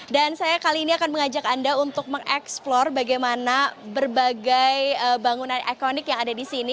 dan saya kali ini akan mengajak anda untuk mengeksplor bagaimana berbagai bangunan ikonik yang ada di sini